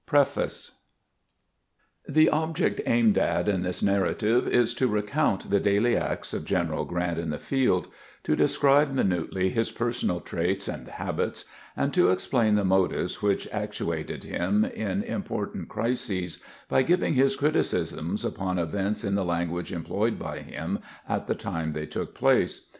PREFACE THE object aimed at in this narrative is to recount the daily acts of General Grant in the field, to de scribe minutely his personal traits and habits, and to explain the motives which actuated him in important crises by giving his criticisms upon events in the lan guage employed by him at the time they took place.